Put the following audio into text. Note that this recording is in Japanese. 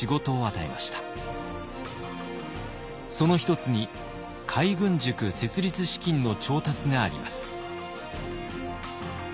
その一つに海軍塾設立資金の調達があります。